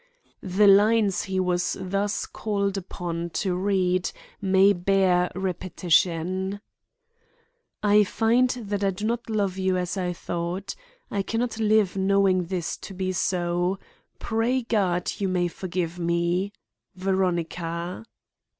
The lines he was thus called upon to read may bear repetition: "I find that I do not love you as I thought. I can not live knowing this to be so. Pray God you may forgive me! VERONICA."